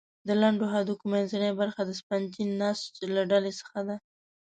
د لنډو هډوکو منځنۍ برخه د سفنجي نسج له ډلې څخه ده.